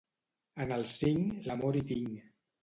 En el cinc, l'amor hi tinc.